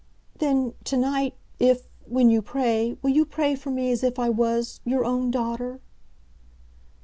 "Then to night if when you pray will you pray for me as if I was your own daughter?"